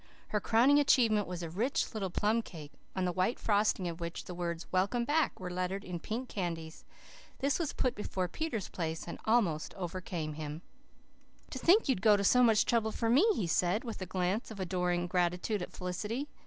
Her crowning achievement was a rich little plum cake, on the white frosting of which the words "Welcome Back" were lettered in pink candies. This was put before Peter's place, and almost overcame him. "To think that you'd go to so much trouble for me!" he said, with a glance of adoring gratitude at Felicity.